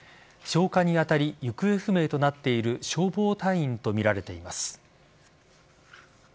消火に当たり行方不明となっている消防隊員とみられています。